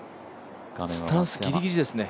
スタンス、ギリギリですね。